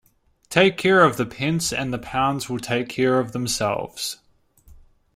Take care of the pence and the pounds will take care of themselves.